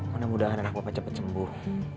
mudah mudahan anak bapak cepat sembuh